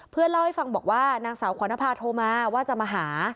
เล่าให้ฟังบอกว่านางสาวขวัณภาโทรมาว่าจะมาหา